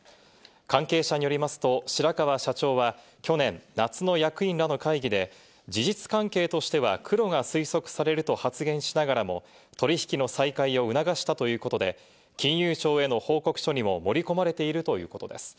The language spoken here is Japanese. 関係者によりますと、白川社長は去年、夏の役員らの会議で事実関係としてはクロが推測されると発言しながらも、取引の再開を促したということで、金融庁への報告書にも盛り込まれているということです。